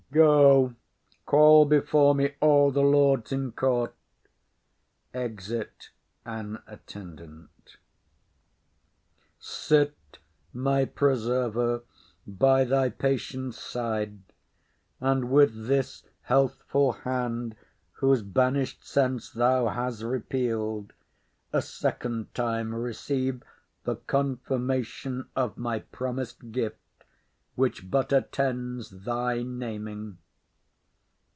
Go, call before me all the lords in court. [Exit an Attendant.] Sit, my preserver, by thy patient's side, And with this healthful hand, whose banish'd sense Thou has repeal'd, a second time receive The confirmation of my promis'd gift, Which but attends thy naming.